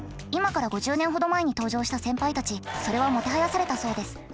今から５０年ほど前に登場した先輩たちそれはもてはやされたそうです。